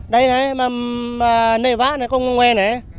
đây này nơi vã này công nguyên này